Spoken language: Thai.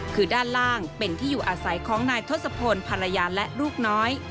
คือด้านล่างเป็นที่อยู่อาศัยของนายทศพลภรรยาและลูกน้อย